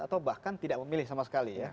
atau bahkan tidak memilih sama sekali ya